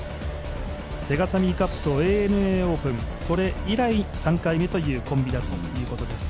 セガサミーカップとＡＮＡオープンＡＮＡオープン、それ以来、３回目というコンビだそうです。